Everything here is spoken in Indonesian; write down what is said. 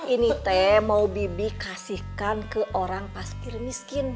ini teh mau bibi kasihkan ke orang pasir miskin